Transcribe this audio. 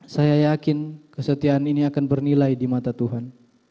saya yakin kesetiaan ini akan bernilai di mata tuhan